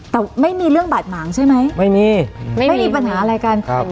แต่ไม่มีเรื่องบาดหมางใช่ไหมไม่มีไม่มีปัญหาอะไรกันครับ